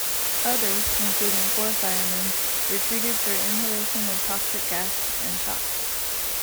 Others, including four firemen, were treated for inhalation of toxic gas and shock.